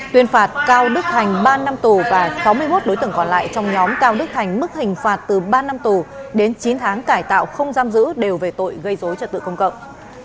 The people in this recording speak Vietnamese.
tuyên phạt cao đức thành ba năm tù và sáu mươi một đối tượng còn lại trong nhóm cao đức thành mức hình phạt từ ba năm tù đến chín tháng cải tạo không giam giữ đều về tội gây dối trật tự công cộng